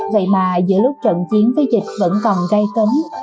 vậy mà giữa lúc trận chiến với dịch vẫn còn gây cấn